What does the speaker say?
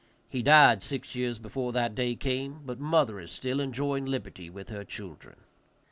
He died six years before that day came, but mother is still enjoying liberty with her children.